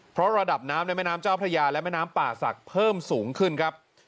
เพราะระดับน้ำในแม่น้ำเจ้าพระยาและแม่น้ำป่าศักดิ์เพิ่มสูงขึ้นครับ